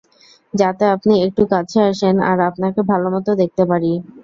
যাতে আপনি একটু কাছে আসেন, আর আপনাকে ভালোমতো দেখতে পারি।